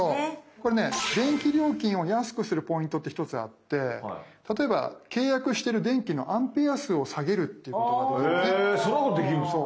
これね電気料金を安くするポイントって１つあって例えば契約してる電気のアンペア数を下げるっていうことができるね。へそんなことできるんですか。